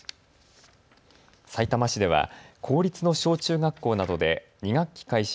さいたま市では公立の小中学校などで２学期開始